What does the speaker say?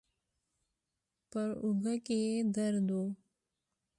پر اوږه کې يې درد و.